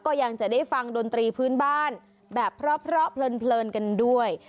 ยังจะได้ฟังดนตรีพื้นบ้านแบบเพราะเพลินกันด้วย